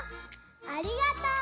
ありがとう。